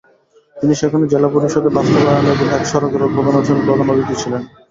তিনি সেখানে জেলা পরিষদে বাস্তবায়নাধীন এক সড়কের উদ্বোধন অনুষ্ঠানে প্রধান অতিথি ছিলেন।